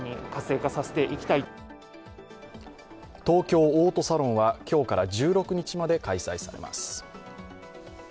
東京オートサロンは今日から１６日まで開催されます。